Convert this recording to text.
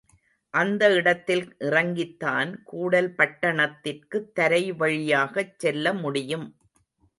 அந்த இடத்தில் இறங்கித்தான் கூடல் பட்டணத்திற்குத் தரைவழியாகச் செல்ல முடியும்.